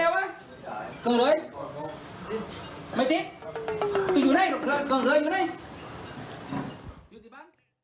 โอ้พา